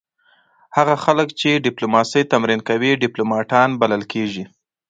هغه خلک چې ډیپلوماسي تمرین کوي ډیپلومات بلل کیږي